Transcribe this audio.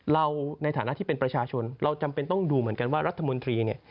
เราในฐานะที่เป็นประชาชนเราจำเป็นต้องดูเหมือนกันว่ารัฐมนตรีเนี่ย